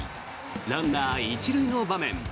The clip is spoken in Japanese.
ランナー１塁の場面。